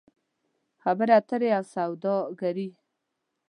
خبرې اترې او سوداګري